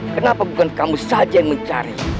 kenapa bukan kamu saja yang mencari